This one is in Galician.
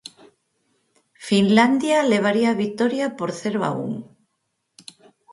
Finlandia levaría a vitoria por cero a un.